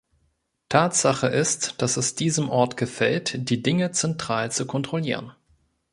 Tatsache ist, dass es diesem Ort gefällt, die Dinge zentral zu kontrollieren.